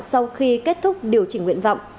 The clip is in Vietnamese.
sau khi kết thúc điều chỉnh nguyện vọng